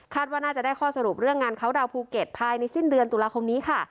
ว่าน่าจะได้ข้อสรุปเรื่องงานเขาดาวนภูเก็ตภายในสิ้นเดือนตุลาคมนี้ค่ะ